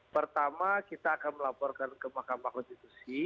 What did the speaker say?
pertama kita akan melaporkan ke mahkamah konstitusi